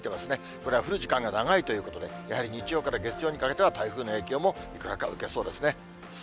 これは降る時間が長いということで、やはり日曜から月曜にかけては、台風の影響もいくらか受けそうですね。